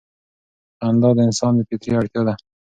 خندا د انسان فطري اړتیا ده.